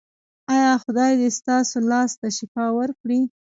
ایا خدای دې ستاسو لاس ته شفا ورکړي؟